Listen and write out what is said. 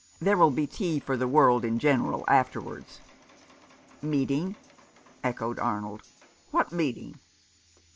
There will be tea for the world in general afterwards." "Meeting?" echoed Arnold. "What meet ing